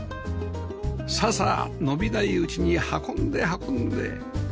さあさあ伸びないうちに運んで運んで